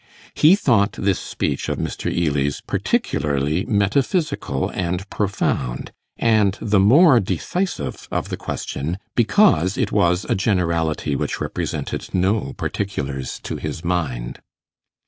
He thought this speech of Mr. Ely's particularly metaphysical and profound, and the more decisive of the question because it was a generality which represented no particulars to his mind.